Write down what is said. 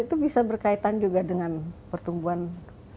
itu bisa berkaitan juga dengan pertumbuhan saluran napas